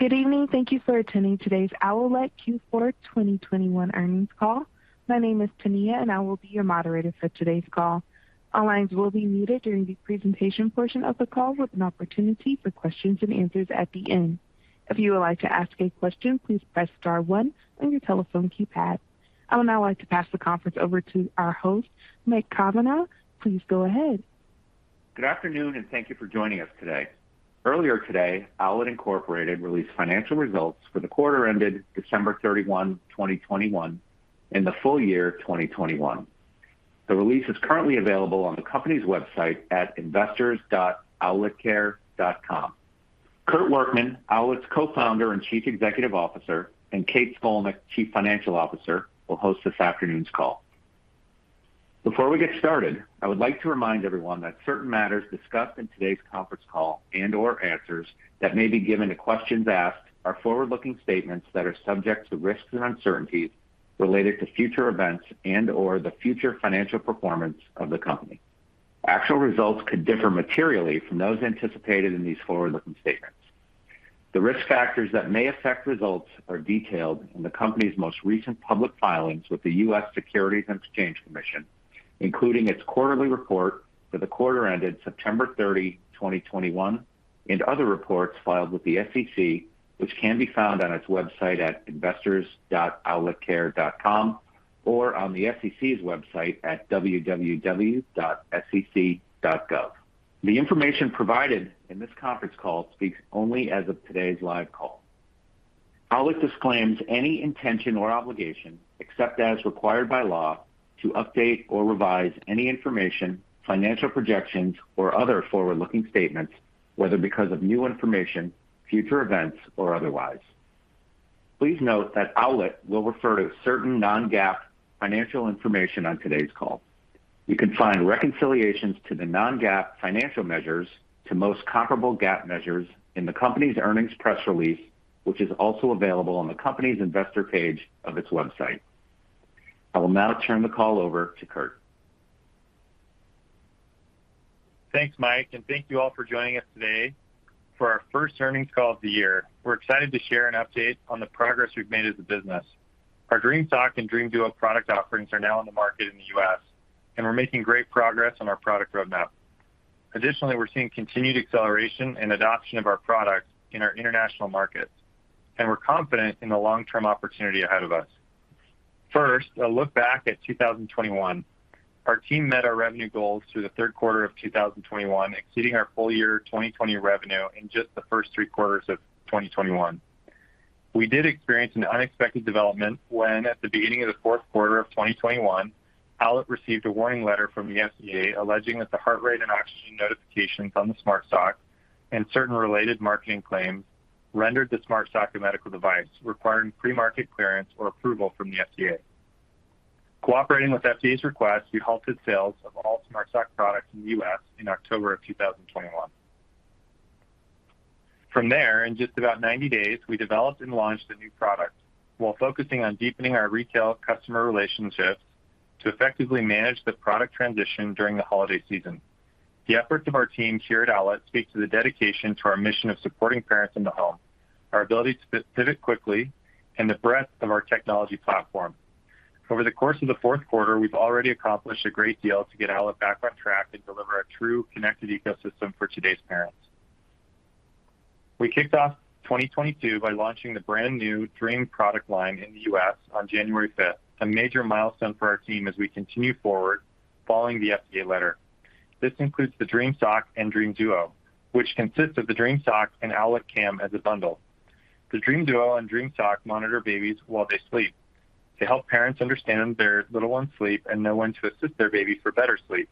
Good evening. Thank you for attending today's Owlet Q4 2021 earnings call. My name is Tania, and I will be your moderator for today's call. All lines will be muted during the presentation portion of the call with an opportunity for questions and answers at the end. If you would like to ask a question, please press star one on your telephone keypad. I would now like to pass the conference over to our host, Mike Cavanaugh. Please go ahead. Good afternoon, and thank you for joining us today. Earlier today, Owlet Incorporated released financial results for the quarter ended December 31, 2021, and the full year 2021. The release is currently available on the company's website at investors.owletcare.com. Kurt Workman, Owlet's Co-Founder and Chief Executive Officer, and Kate Scolnick, Chief Financial Officer, will host this afternoon's call. Before we get started, I would like to remind everyone that certain matters discussed in today's conference call and/or answers that may be given to questions asked are forward-looking statements that are subject to risks and uncertainties related to future events and/or the future financial performance of the company. Actual results could differ materially from those anticipated in these forward-looking statements. The risk factors that may affect results are detailed in the company's most recent public filings with the U.S. Securities and Exchange Commission, including its quarterly report for the quarter ended September 30, 2021, and other reports filed with the SEC, which can be found on its website at investors.owletcare.com or on the SEC's website at www.sec.gov. The information provided in this conference call speaks only as of today's live call. Owlet disclaims any intention or obligation, except as required by law, to update or revise any information, financial projections, or other forward-looking statements, whether because of new information, future events, or otherwise. Please note that Owlet will refer to certain non-GAAP financial information on today's call. You can find reconciliations to the non-GAAP financial measures to most comparable GAAP measures in the company's earnings press release, which is also available on the company's investor page of its website. I will now turn the call over to Kurt. Thanks, Mike, and thank you all for joining us today for our first earnings call of the year. We're excited to share an update on the progress we've made as a business. Our Dream Sock and Dream Duo product offerings are now on the market in the U.S., and we're making great progress on our product roadmap. Additionally, we're seeing continued acceleration and adoption of our products in our international markets, and we're confident in the long-term opportunity ahead of us. First, a look back at 2021. Our team met our revenue goals through the third quarter of 2021, exceeding our full year 2020 revenue in just the first three quarters of 2021. We did experience an unexpected development when, at the beginning of the fourth quarter of 2021, Owlet received a warning letter from the FDA alleging that the heart rate and oxygen notifications on the Smart Sock and certain related marketing claims rendered the Smart Sock a medical device requiring pre-market clearance or approval from the FDA. Cooperating with FDA's request, we halted sales of all Smart Sock products in the U.S. in October of 2021. From there, in just about 90 days, we developed and launched a new product while focusing on deepening our retail customer relationships to effectively manage the product transition during the holiday season. The efforts of our team here at Owlet speak to the dedication to our mission of supporting parents in the home, our ability to pivot quickly, and the breadth of our technology platform. Over the course of the fourth quarter, we've already accomplished a great deal to get Owlet back on track and deliver a true connected ecosystem for today's parents. We kicked off 2022 by launching the brand-new Dream product line in the U.S. on January 5th, a major milestone for our team as we continue forward following the FDA letter. This includes the Dream Sock and Dream Duo, which consists of the Dream Sock and Owlet Cam as a bundle. The Dream Duo and Dream Sock monitor babies while they sleep. They help parents understand their little one's sleep and know when to assist their baby for better sleep,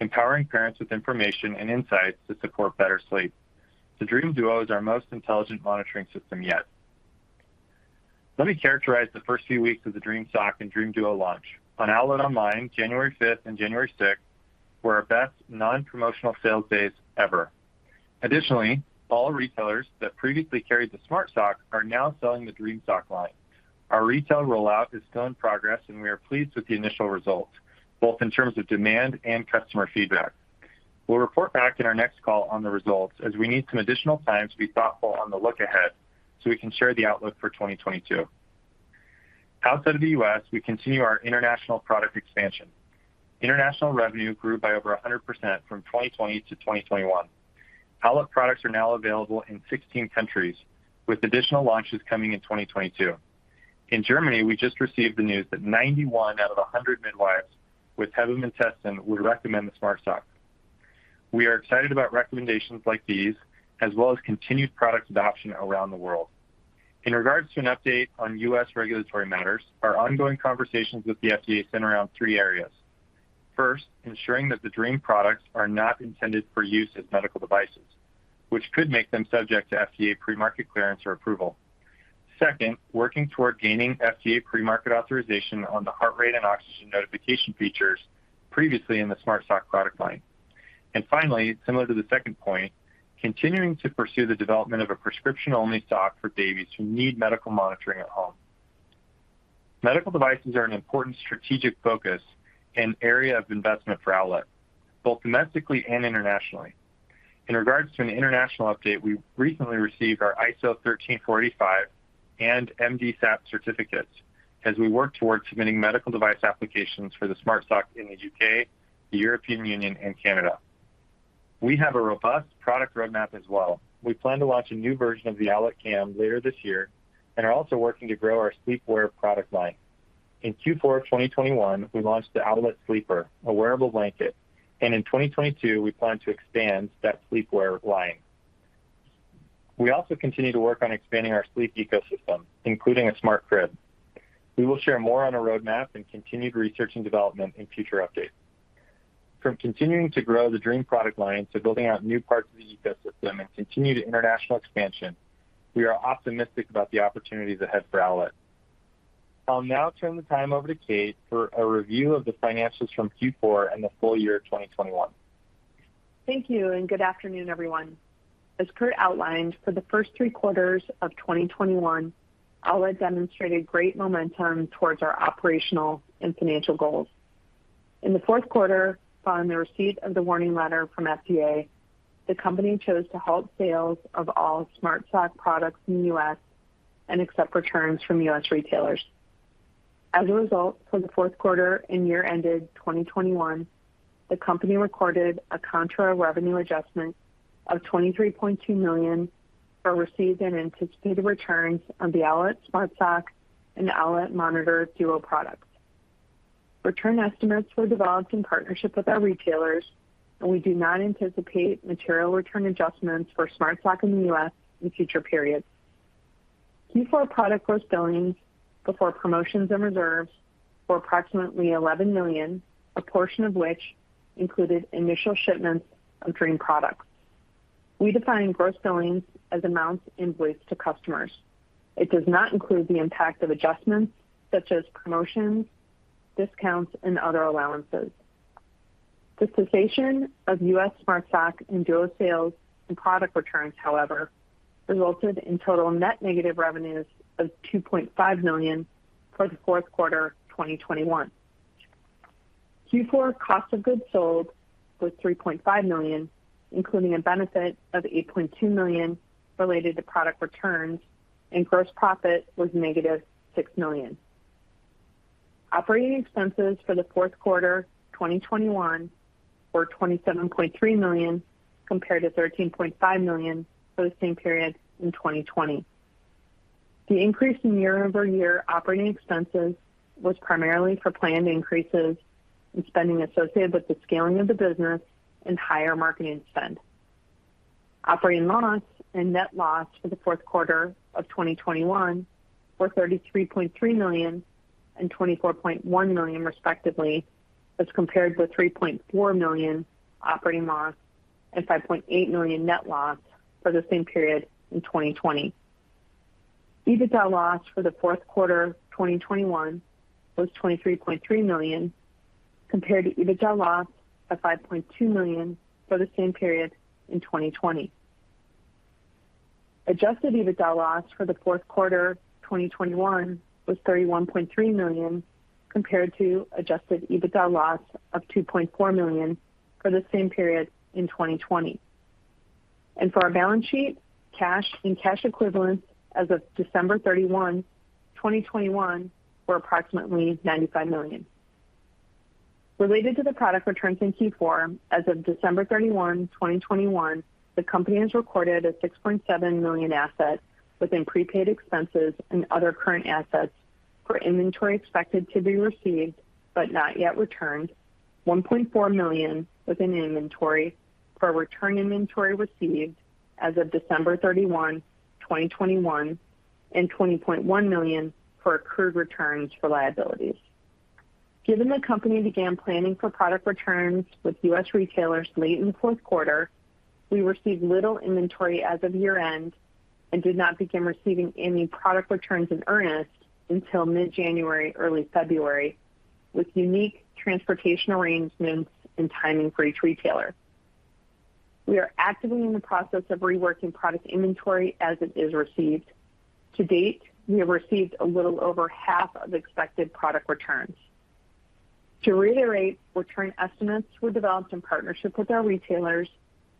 empowering parents with information and insights to support better sleep. The Dream Duo is our most intelligent monitoring system yet. Let me characterize the first few weeks of the Dream Sock and Dream Duo launch. On Owlet online, January 5th and January 6th were our best non-promotional sales days ever. Additionally, all retailers that previously carried the Smart Sock are now selling the Dream Sock line. Our retail rollout is still in progress, and we are pleased with the initial results, both in terms of demand and customer feedback. We'll report back in our next call on the results as we need some additional time to be thoughtful on the look ahead, so we can share the outlook for 2022. Outside of the U.S., we continue our international product expansion. International revenue grew by over 100% from 2020 to 2021. Owlet products are now available in 16 countries, with additional launches coming in 2022. In Germany, we just received the news that 91 out of 100 midwives. Medical devices are an important strategic focus and area of investment for Owlet, both domestically and internationally. In regards to an international update, we recently received our ISO 13485 and MDSAP certificates as we work towards submitting medical device applications for the Smart Sock in the U.K., the European Union and Canada. We have a robust product roadmap as well. We plan to launch a new version of the Owlet Cam later this year and are also working to grow our sleepwear product line. In Q4 of 2021, we launched the Owlet Sleeper, a wearable blanket, and in 2022, we plan to expand that sleepwear line. We also continue to work on expanding our sleep ecosystem, including a smart crib. We will share more on our roadmap and continued research and development in future updates. From continuing to grow the Dream product line to building out new parts of the ecosystem and continue the international expansion, we are optimistic about the opportunities ahead for Owlet. I'll now turn the time over to Kate for a review of the financials from Q4 and the full year of 2021. Thank you and good afternoon, everyone. As Kurt outlined, for the first three quarters of 2021, Owlet demonstrated great momentum towards our operational and financial goals. In the fourth quarter, following the receipt of the warning letter from FDA, the company chose to halt sales of all Smart Sock products in the U.S. and accept returns from U.S. retailers. As a result, for the fourth quarter and year ended 2021, the company recorded a contra revenue adjustment of $23.2 million for received and anticipated returns on the Owlet Smart Sock and Owlet Monitor Duo products. Return estimates were developed in partnership with our retailers, and we do not anticipate material return adjustments for Smart Sock in the U.S. in future periods. Q4 product gross billings before promotions and reserves were approximately $11 million, a portion of which included initial shipments of Dream products. We define gross billings as amounts invoiced to customers. It does not include the impact of adjustments such as promotions, discounts, and other allowances. The cessation of U.S. Smart Sock and Duo sales and product returns, however, resulted in total net negative revenues of $2.5 million for the fourth quarter 2021. Q4 cost of goods sold was $3.5 million, including a benefit of $8.2 million related to product returns, and gross profit was -$6 million. Operating expenses for the fourth quarter 2021 were $27.3 million, compared to $13.5 million for the same period in 2020. The increase in year-over-year operating expenses was primarily for planned increases in spending associated with the scaling of the business and higher marketing spend. Operating loss and net loss for the fourth quarter of 2021 were $33.3 million and $24.1 million, respectively, as compared to $3.4 million operating loss and $5.8 million net loss for the same period in 2020. EBITDA loss for the fourth quarter of 2021 was $23.3 million, compared to EBITDA loss of $5.2 million for the same period in 2020. Adjusted EBITDA loss for the fourth quarter 2021 was $31.3 million, compared to Adjusted EBITDA loss of $2.4 million for the same period in 2020. For our balance sheet, cash and cash equivalents as of December 31, 2021 were approximately $95 million. Related to the product returns in Q4, as of December 31, 2021, the company has recorded a $6.7 million asset within prepaid expenses and other current assets for inventory expected to be received but not yet returned. $1.4 million within the inventory for returned inventory received as of December 31, 2021, and $20.1 million for accrued returns for liabilities. Given the company began planning for product returns with U.S. retailers late in the fourth quarter, we received little inventory as of year-end and did not begin receiving any product returns in earnest until mid-January, early February, with unique transportation arrangements and timing for each retailer. We are actively in the process of reworking product inventory as it is received. To date, we have received a little over half of expected product returns. To reiterate, return estimates were developed in partnership with our retailers,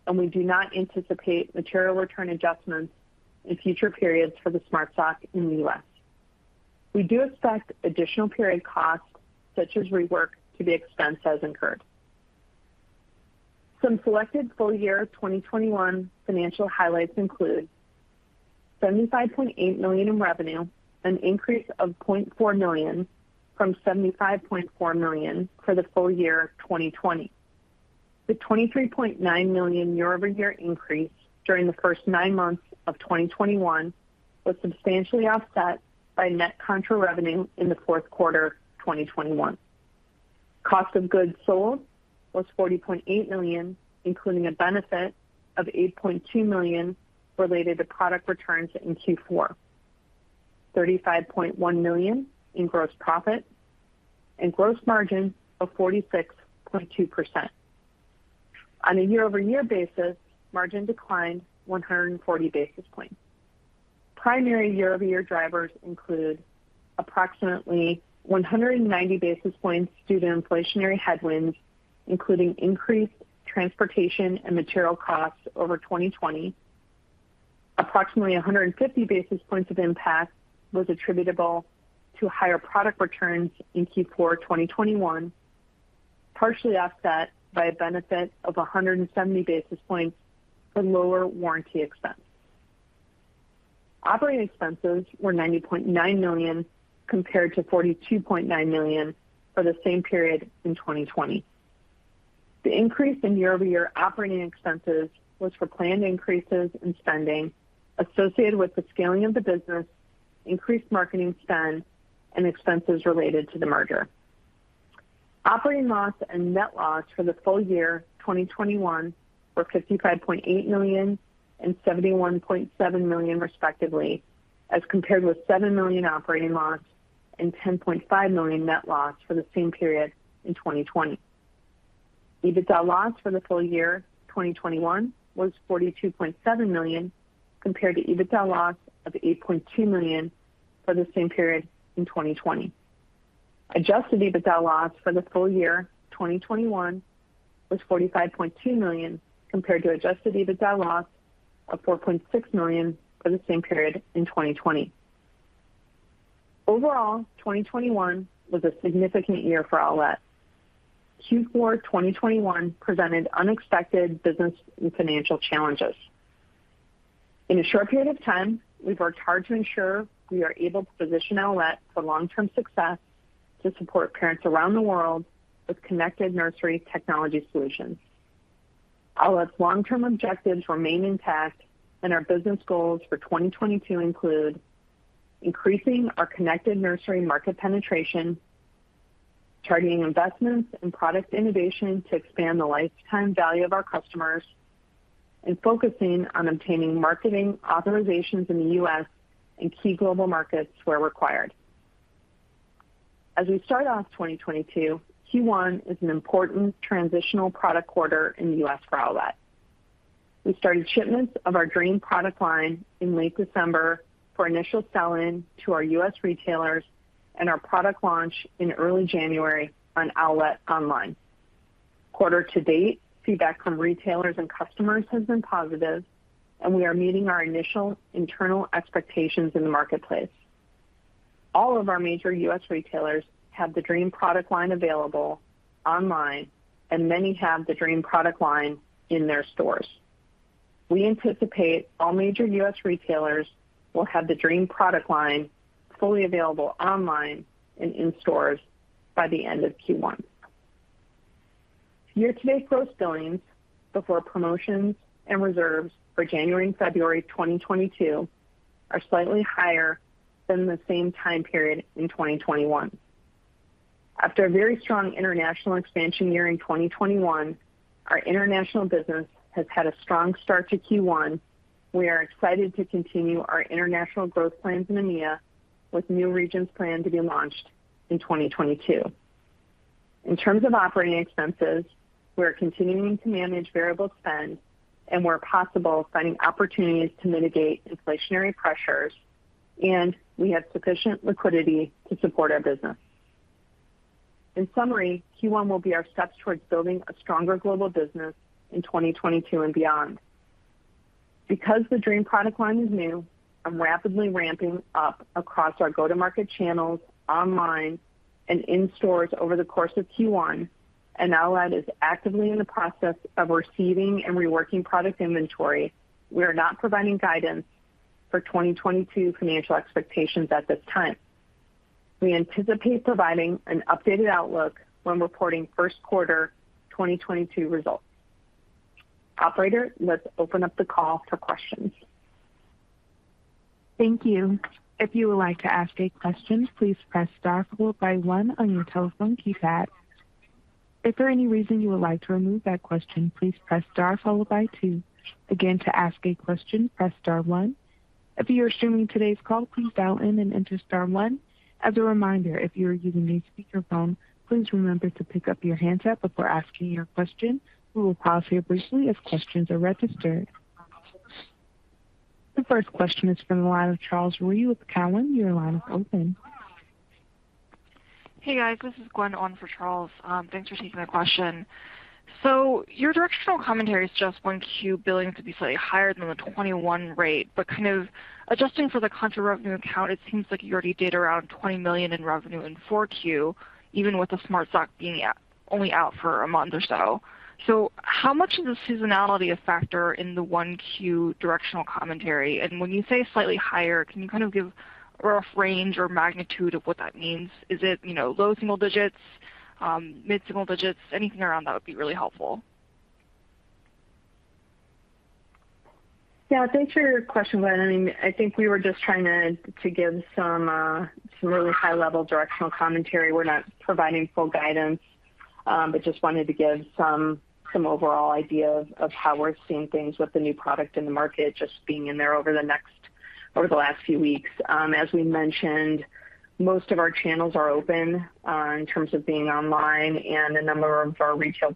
and we do not anticipate material return adjustments in future periods for the Smart Sock in the U.S. We do expect additional period costs, such as rework, to be expensed as incurred. Some selected full year 2021 financial highlights include $75.8 million in revenue, an increase of $0.4 million from $75.4 million for the full year of 2020. The $23.9 million year-over-year increase during the first nine months of 2021 was substantially offset by net contra revenue in the fourth quarter 2021. Cost of goods sold was $40.8 million, including a benefit of $8.2 million related to product returns in Q4. $35.1 million in gross profit and gross margin of 46.2%. On a year-over-year basis, margin declined 140 basis points. Primary year-over-year drivers include approximately 190 basis points due to inflationary headwinds, including increased transportation and material costs over 2020. Approximately 150 basis points of impact was attributable to higher product returns in Q4 2021, partially offset by a benefit of 170 basis points for lower warranty expense. Operating expenses were $90.9 million compared to $42.9 million for the same period in 2020. The increase in year-over-year operating expenses was for planned increases in spending associated with the scaling of the business, increased marketing spend and expenses related to the merger. Operating loss and net loss for the full year 2021 were $55.8 million and $71.7 million, respectively, as compared with $7 million operating loss and $10.5 million net loss for the same period in 2020. EBITDA loss for the full year 2021 was $42.7 million, compared to EBITDA loss of $8.2 million for the same period in 2020. Adjusted EBITDA loss for the full year 2021 was $45.2 million, compared to Adjusted EBITDA loss of $4.6 million for the same period in 2020. Overall, 2021 was a significant year for Owlet. Q4 2021 presented unexpected business and financial challenges. In a short period of time, we've worked hard to ensure we are able to position Owlet for long-term success to support parents around the world with connected nursery technology solutions. Owlet's long-term objectives remain intact, and our business goals for 2022 include increasing our connected nursery market penetration, targeting investments and product innovation to expand the lifetime value of our customers, and focusing on obtaining marketing authorizations in the U.S. and key global markets where required. As we start off 2022, Q1 is an important transitional product quarter in the U.S. for Owlet. We started shipments of our Dream product line in late December for initial sell-in to our U.S. retailers and our product launch in early January on Owlet online. Quarter-to-date, feedback from retailers and customers has been positive, and we are meeting our initial internal expectations in the marketplace. All of our major U.S. retailers have the Dream product line available online, and many have the Dream product line in their stores. We anticipate all major U.S. retailers will have the Dream product line fully available online and in stores by the end of Q1. Year-to-date gross billings before promotions and reserves for January and February 2022 are slightly higher than the same time period in 2021. After a very strong international expansion year in 2021, our international business has had a strong start to Q1. We are excited to continue our international growth plans in EMEA, with new regions planned to be launched in 2022. In terms of operating expenses, we are continuing to manage variable spend and where possible, finding opportunities to mitigate inflationary pressures, and we have sufficient liquidity to support our business. In summary, Q1 will be our steps towards building a stronger global business in 2022 and beyond. Because the Dream product line is new and rapidly ramping up across our go-to-market channels online and in stores over the course of Q1, and Owlet is actively in the process of receiving and reworking product inventory, we are not providing guidance for 2022 financial expectations at this time. We anticipate providing an updated outlook when reporting first quarter 2022 results. Operator, let's open up the call for questions. The first question is from the line of Charles Rhyee with Cowen. Your line is open. Hey, guys. This is Gwen on for Charles. Thanks for taking my question. Your directional commentary is just Q1 billing to be slightly higher than the 2021 rate, but kind of adjusting for the contra revenue account, it seems like you already did around $20 million in revenue in Q4, even with the Smart Sock being only out for a month or so. How much is the seasonality a factor in the Q1 directional commentary? And when you say slightly higher, can you kind of give a rough range or magnitude of what that means? Is it, you know, low single digits, mid-single digits? Anything around that would be really helpful. Yeah, thanks for your question, Gwen. I mean, I think we were just trying to give some really high-level directional commentary. We're not providing full guidance, but just wanted to give some overall idea of how we're seeing things with the new product in the market, just being in there over the last few weeks. As we mentioned, most of our channels are open in terms of being online, and a number of our retail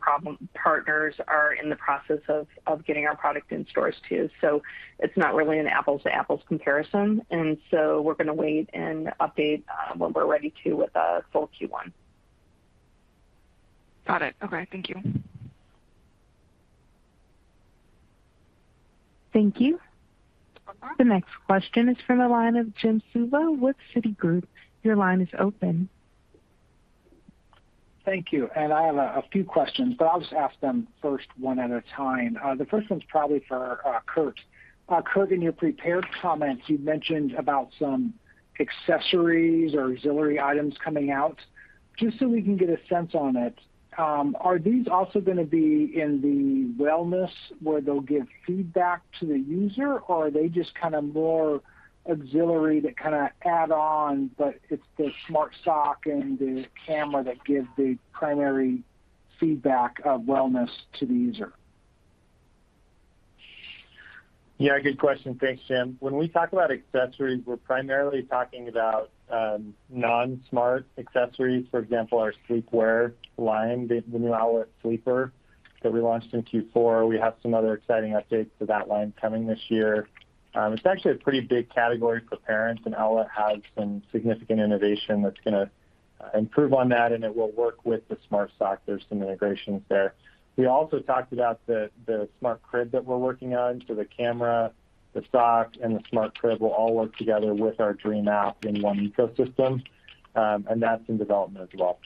partners are in the process of getting our product in stores too. So it's not really an apples-to-apples comparison. We're gonna wait and update when we're ready to with full Q1. Got it. Okay. Thank you. Thank you. Uh-huh. The next question is from the line of Jim Suva with Citigroup. Your line is open. Thank you. I have a few questions, but I'll just ask them first one at a time. The first one's probably for Kurt. Kurt, in your prepared comments, you mentioned about some accessories or auxiliary items coming out. Just so we can get a sense on it, are these also gonna be in the wellness where they'll give feedback to the user? Or are they just kinda more auxiliary to kinda add on, but it's the Smart Sock and the camera that give the primary feedback of wellness to the user? Yeah, good question. Thanks, Jim. When we talk about accessories, we're primarily talking about non-smart accessories. For example, our sleepwear line, the new Owlet Sleeper that we launched in Q4. We have some other exciting updates to that line coming this year. It's actually a pretty big category for parents, and Owlet has some significant innovation that's gonna improve on that, and it will work with the Smart Sock. There's some integrations there. We also talked about the smart crib that we're working on. The camera, the sock, and the smart crib will all work together with our Dream App in one ecosystem. That's in development as well.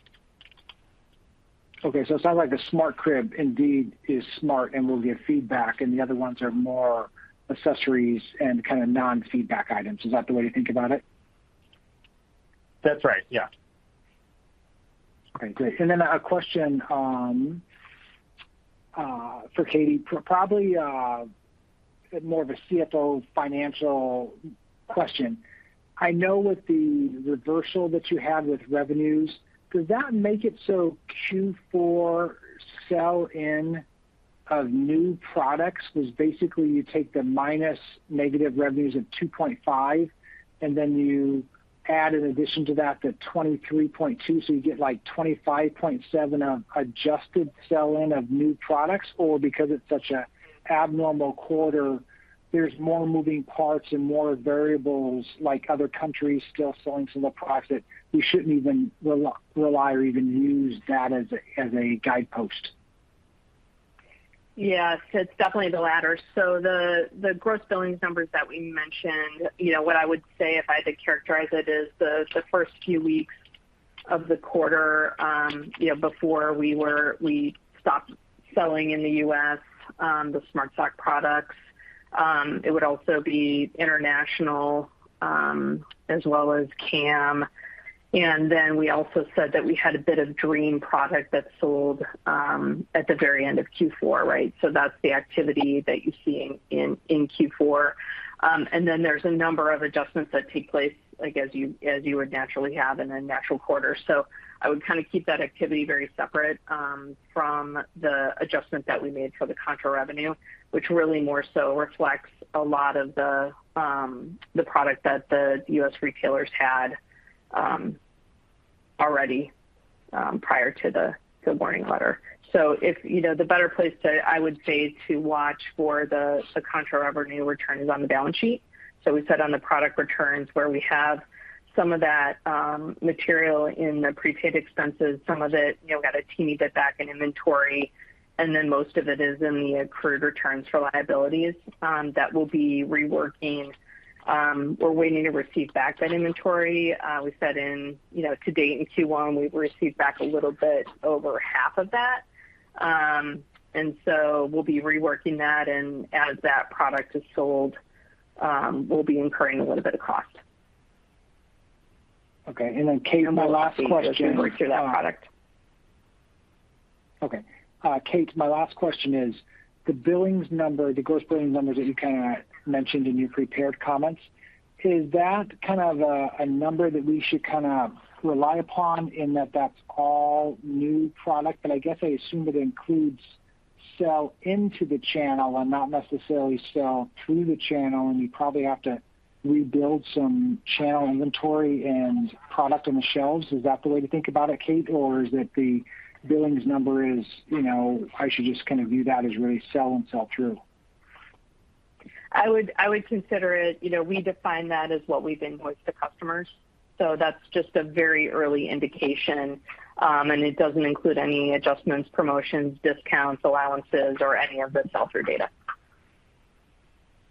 Okay. It sounds like the smart crib indeed is smart and will give feedback, and the other ones are more accessories and kinda non-feedback items. Is that the way to think about it? That's right. Yeah. Okay. Great. A question for Katie. Probably more of a CFO financial question. I know with the reversal that you had with revenues, does that make it so Q4 sell-in of new products was basically you take the minus negative revenues of $2.5, and then you add in addition to that the $23.2, so you get, like, $25.7 of adjusted sell-in of new products? Or because it's such a abnormal quarter, there's more moving parts and more variables, like other countries still selling some of the products that we shouldn't even rely or even use that as a guidepost? Yes, it's definitely the latter. The gross billings numbers that we mentioned, you know, what I would say if I had to characterize it is the first few weeks of the quarter, before we stopped selling in the U.S., the Smart Sock products. It would also be international, as well as Cam. And then we also said that we had a bit of Dream product that sold at the very end of Q4, right? That's the activity that you see in Q4. And then there's a number of adjustments that take place, like as you would naturally have in a natural quarter. I would kinda keep that activity very separate from the adjustment that we made for the contra revenue, which really more so reflects a lot of the product that the U.S. retailers had already prior to the warning letter. If you know, the better place, I would say, to watch for the contra revenue return is on the balance sheet. We said on the product returns where we have some of that material in the prepaid expenses, some of it you know got a teeny bit back in inventory, and then most of it is in the accrued returns for liabilities that we'll be reworking. We're waiting to receive back that inventory. We said, you know, to date in Q1, we've received back a little bit over half of that. We'll be reworking that, and as that product is sold, we'll be incurring a little bit of cost. Okay. Kate, my last question. As we work through that product. Okay. Kate, my last question is, the billings number, the gross billings numbers that you kinda mentioned in your prepared comments, is that kind of a number that we should kinda rely upon in that that's all new product? I guess I assume it includes sell into the channel and not necessarily sell through the channel, and you probably have to rebuild some channel inventory and product on the shelves. Is that the way to think about it, Kate? Or is it the billings number is, you know, I should just kinda view that as really sell and sell-through? I would consider it. You know, we define that as what we've invoiced the customers. That's just a very early indication, and it doesn't include any adjustments, promotions, discounts, allowances, or any of the sell-through data.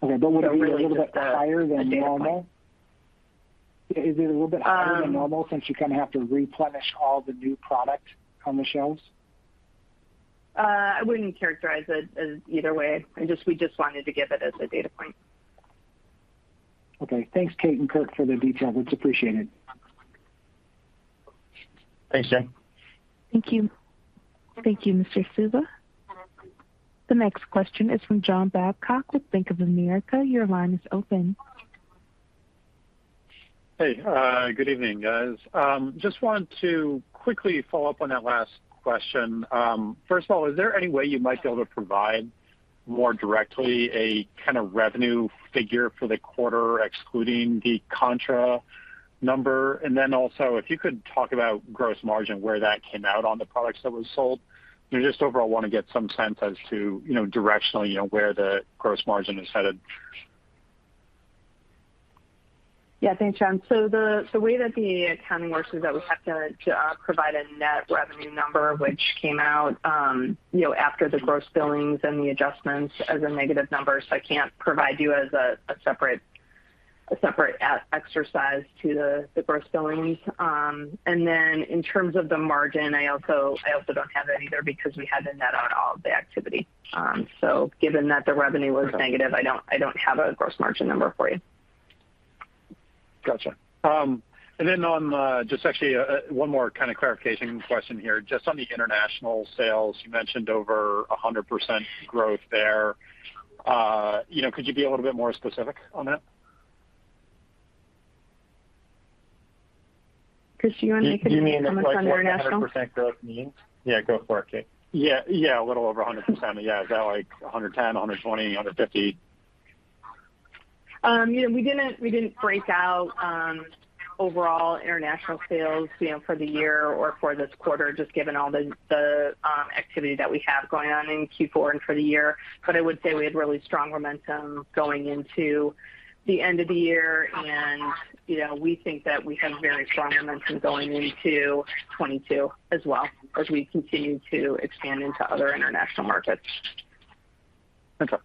Okay. Would it be a little bit higher than normal? Really just a data point. Is it a little bit higher than normal since you kinda have to replenish all the new product on the shelves? I wouldn't characterize it as either way. We just wanted to give it as a data point. Okay. Thanks, Kate and Kurt, for the detail. It's appreciated. Thanks, Jim. Thank you. Thank you, Mr. Suva. The next question is from John Babcock with Bank of America. Your line is open. Hey, good evening, guys. Just want to quickly follow up on that last question. First of all, is there any way you might be able to provide more directly a kind of revenue figure for the quarter excluding the contra number? Then also, if you could talk about gross margin, where that came out on the products that was sold. You know, just overall want to get some sense as to, you know, directionally, you know, where the gross margin is headed. Yeah. Thanks, John. The way that the accounting works is that we have to provide a net revenue number which came out, you know, after the gross billings and the adjustments as a negative number. I can't provide you with a separate exercise to the gross billings. In terms of the margin, I also don't have that either because we had to net out all of the activity. Given that the revenue was negative, I don't have a gross margin number for you. Gotcha. On just actually one more kind of clarification question here. Just on the international sales, you mentioned over 100% growth there. You know, could you be a little bit more specific on that? Chris, do you want to make a comment on international? Do you mean like what the 100% growth means? Yeah, go for it, Kate. Yeah. Yeah, a little over 100%. Yeah. Is that like 110, 120, 150? You know, we didn't break out overall international sales, you know, for the year or for this quarter, just given all the activity that we have going on in Q4 and for the year. I would say we had really strong momentum going into the end of the year. You know, we think that we have very strong momentum going into 2022 as well as we continue to expand into other international markets. Okay.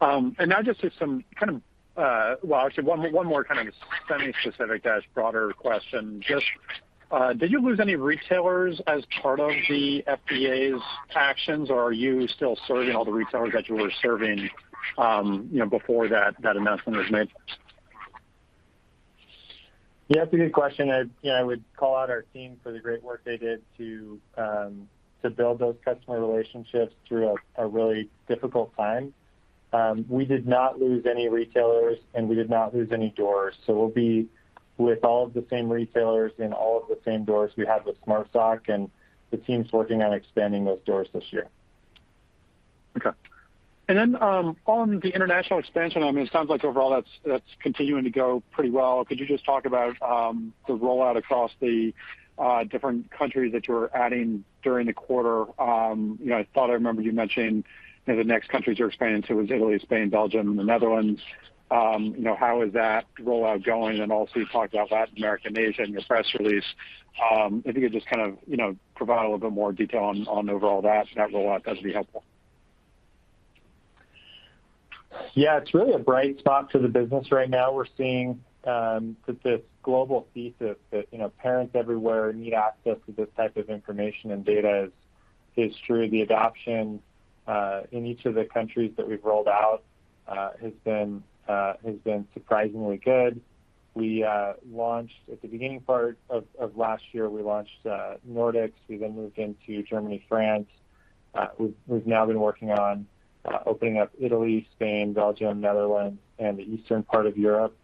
Now just as some kind of, well, actually one more kind of semi-specific, broader question. Just, did you lose any retailers as part of the FDA's actions, or are you still serving all the retailers that you were serving, you know, before that announcement was made? Yeah, that's a good question. You know, I would call out our team for the great work they did to build those customer relationships through a really difficult time. We did not lose any retailers, and we did not lose any doors. We'll be with all of the same retailers in all of the same doors we had with Smart Sock, and the team's working on expanding those doors this year. Okay. On the international expansion, I mean, it sounds like overall that's continuing to go pretty well. Could you just talk about the rollout across the different countries that you were adding during the quarter? You know, I thought I remember you mentioning, you know, the next countries you're expanding to was Italy, Spain, Belgium, and the Netherlands. You know, how is that rollout going? Also you talked about Latin America, Asia in your press release. If you could just kind of, you know, provide a little bit more detail on overall that rollout, that'd be helpful. Yeah. It's really a bright spot for the business right now. We're seeing that this global thesis that, you know, parents everywhere need access to this type of information and data is true. The adoption in each of the countries that we've rolled out has been surprisingly good. We launched at the beginning part of last year, we launched Nordics. We then moved into Germany, France. We've now been working on opening up Italy, Spain, Belgium, Netherlands, and the eastern part of Europe.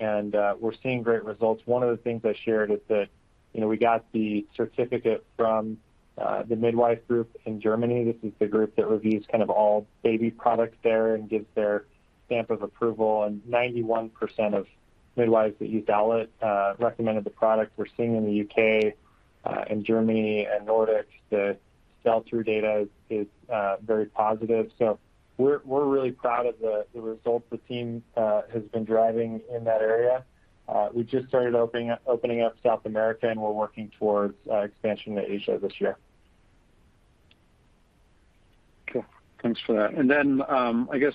We're seeing great results. One of the things I shared is that, you know, we got the certificate from the midwife group in Germany. This is the group that reviews kind of all baby products there and gives their stamp of approval. 91% of midwives that used Owlet recommended the product. We're seeing in the U.K., in Germany and Nordics, the sell-through data is very positive. We're really proud of the results the team has been driving in that area. We just started opening up South America, and we're working towards expansion to Asia this year. Okay. Thanks for that. I guess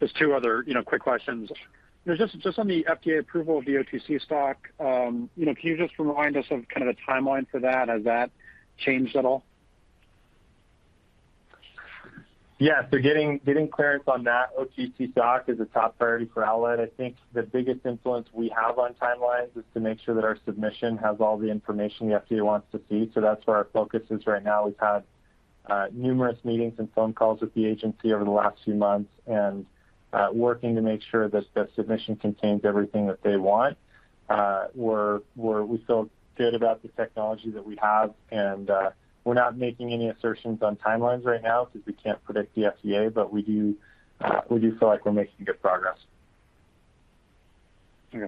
just two other, you know, quick questions. You know, just on the FDA approval of the OTC sock, you know, can you just remind us of kind of the timeline for that? Has that changed at all? Yeah. Getting clearance on that OTC sock is a top priority for Owlet. I think the biggest influence we have on timelines is to make sure that our submission has all the information the FDA wants to see. That's where our focus is right now. We've had numerous meetings and phone calls with the agency over the last few months and working to make sure that the submission contains everything that they want. We feel good about the technology that we have, and we're not making any assertions on timelines right now because we can't predict the FDA, but we do feel like we're making good progress. Okay.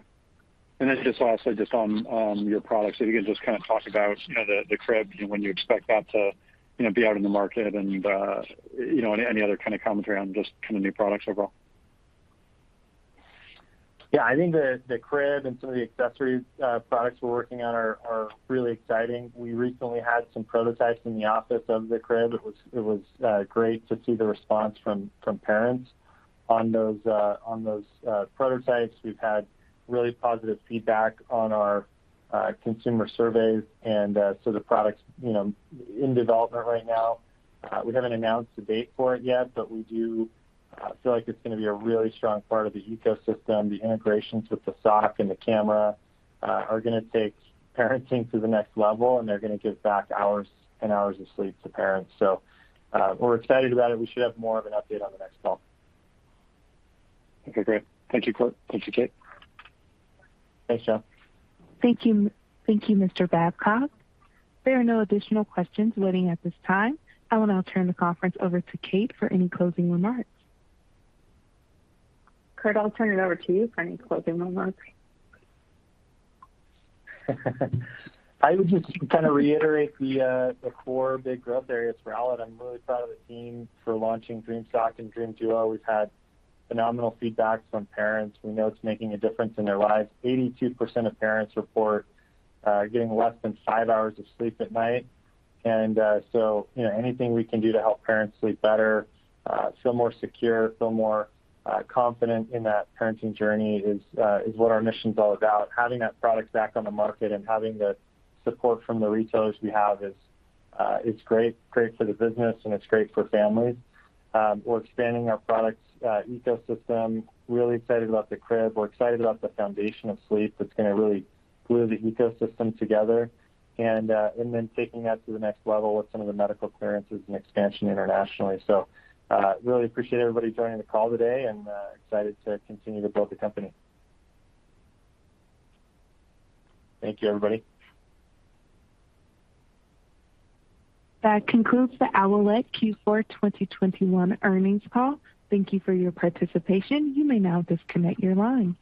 Then just also on your products. If you could just kind of talk about, you know, the crib and when you expect that to, you know, be out in the market and, you know, any other kind of commentary on just kind of new products overall. Yeah. I think the crib and some of the accessories products we're working on are really exciting. We recently had some prototypes in the office of the crib. It was great to see the response from parents on those prototypes. We've had really positive feedback on our consumer surveys and so the product's you know in development right now. We haven't announced a date for it yet, but we do feel like it's gonna be a really strong part of the ecosystem. The integrations with the sock and the camera are gonna take parenting to the next level, and they're gonna give back hours and hours of sleep to parents. We're excited about it. We should have more of an update on the next call. Okay, great. Thank you, Kurt. Thank you, Kate. Thanks, John. Thank you. Thank you, Mr. Babcock. There are no additional questions waiting at this time. I will now turn the conference over to Kate for any closing remarks. Kurt, I'll turn it over to you for any closing remarks. I would just kind of reiterate the four big growth areas for Owlet. I'm really proud of the team for launching Dream Sock and Dream Duo. We've had phenomenal feedbacks from parents. We know it's making a difference in their lives. 82% of parents report getting less than 5 hours of sleep at night. You know, anything we can do to help parents sleep better, feel more secure, feel more confident in that parenting journey is what our mission's all about. Having that product back on the market and having the support from the retailers we have is. It's great. Great for the business, and it's great for families. We're expanding our products ecosystem. Really excited about the crib. We're excited about the foundation of sleep that's gonna really glue the ecosystem together and then taking that to the next level with some of the medical clearances and expansion internationally. Really appreciate everybody joining the call today and excited to continue to build the company. Thank you, everybody. That concludes the Owlet Q4 2021 earnings call. Thank you for your participation. You may now disconnect your line.